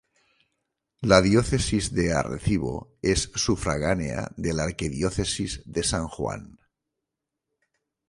La Diócesis de Arecibo es sufragánea de la Arquidiócesis de San Juan.